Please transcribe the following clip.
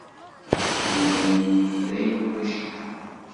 Yennum dayen ulac-ikem.